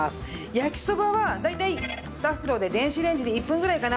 焼きそばは大体２袋で電子レンジで１分ぐらいかな。